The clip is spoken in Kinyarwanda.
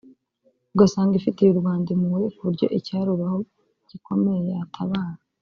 ugasanga ifitiye u Rwanda impuhwe ku buryo icyarubaho gikomeye yatabara